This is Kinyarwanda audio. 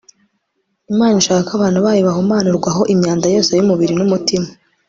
imana ishaka ko abantu bayo bahumanurwaho imyanda yose y'umubiri n'umutima